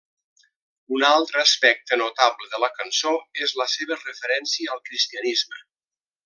Un altre aspecte notable de la cançó és la seva referència al cristianisme.